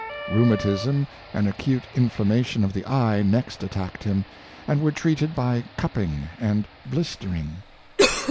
Rheumatism and acute inflamation of the eye next at tacked him, and were treated by cupping and blister ing.